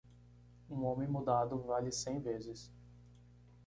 Um homem mudado vale cem vezes.